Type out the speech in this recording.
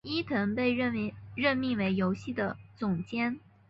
伊藤被任命为游戏的总监。